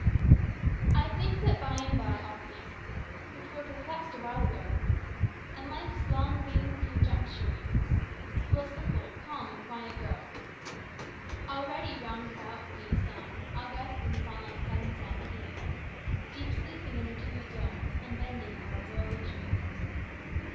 "I think that by and by all things Which were perplexed a while ago And life's long, vain conjecturings, Will simple, calm, and quiet grow, Already round about me, some August and solemn sunset seems Deep sleeping in a dewy dome, And bending o'er a world of dreams."